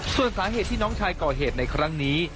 ส่วนสาเหตุที่น้องชายก่อเหตุในครั้งนี้